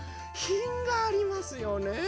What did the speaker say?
ひんがありますよね。